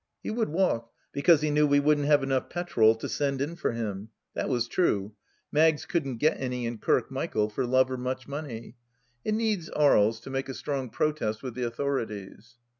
He would walk, because he knew we wouldn't have enough petrol to send in for him. That was true. Maggs couldn't get any in Kirkmichael for love or much money. It needs Aries to make a strong protest with the authorities.